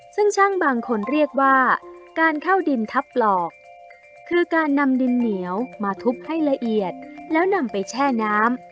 ซึ่งช่างบางคนเรียกว่าการเข้าดินทับปลอกคือการนำดินเหนียวมาทุบให้ละเอียดแล้วนำไปแช่น้ำ